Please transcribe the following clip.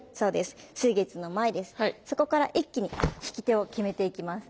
そこから一気に引き手を決めていきます。